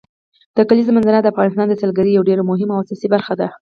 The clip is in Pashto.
د کلیزو منظره د افغانستان د سیلګرۍ یوه ډېره مهمه او اساسي برخه ده.